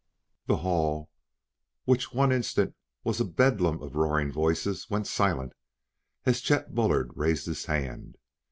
The hall, which one instant was a bedlam of roaring voices, went silent as Chet Bullard raised his hand.